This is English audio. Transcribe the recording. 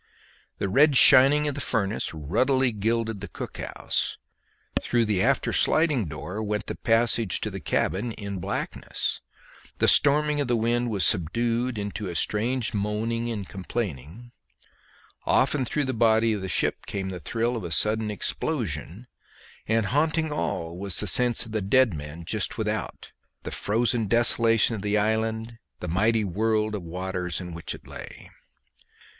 The red shining of the furnace ruddily gilded the cook house; through the after sliding door went the passage to the cabin in blackness; the storming of the wind was subdued into a strange moaning and complaining; often through the body of the ship came the thrill of a sudden explosion; and haunting all was the sense of the dead men just without, the frozen desolation of the island, the mighty world of waters in which it lay.